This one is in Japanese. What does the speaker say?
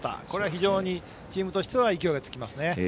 これは非常にチームとしては勢いがつきますね。